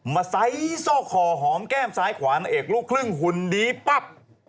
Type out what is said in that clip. ไซส์ซอกคอหอมแก้มซ้ายขวานางเอกลูกครึ่งหุ่นดีปั๊บ